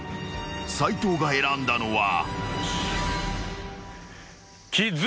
［斉藤が選んだのは？］